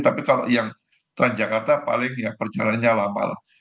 tapi kalau yang transjakarta paling perjalannya lama loh